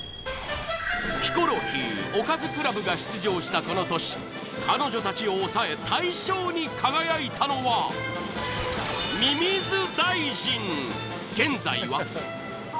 ヒコロヒーおかずクラブが出場したこの年彼女たちを抑え大賞に輝いたのは現在は？